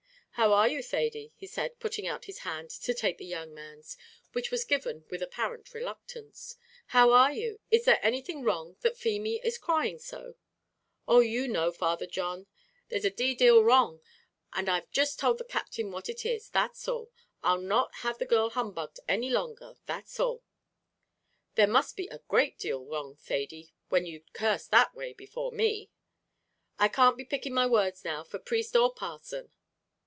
"How are you, Thady?" he said, putting out his hand to take the young man's, which was given with apparent reluctance; "how are you? is there anything wrong, that Feemy is crying so?" "Oh, you know, Father John, there is a d d deal wrong, and I've jist told the Captain what it is, that's all. I'll not have the girl humbugged any longer, that's all." "There must be a great deal wrong, Thady, when you'd curse that way before me." "I can't be picking my words now, for priest or parson."